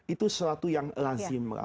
itu sesuatu yang lazim lah